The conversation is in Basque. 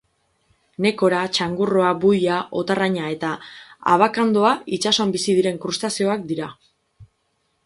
Nekora, txangurroa, buia, otarraina eta abakandoa itsasoan bizi diren krustazeoak dira